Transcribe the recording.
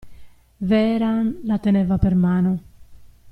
Vehrehan la teneva per mano.